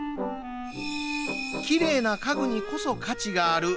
きれいな家具にこそ価値がある。